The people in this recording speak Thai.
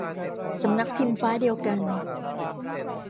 สำนักพิมพ์ฟ้าเดียวกัน